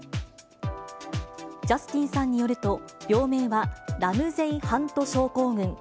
ジャスティンさんによると、病名は、ラムゼイ・ハント症候群。